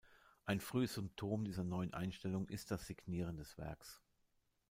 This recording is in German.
Ein frühes Symptom dieser neuen Einstellung ist das Signieren des Werks.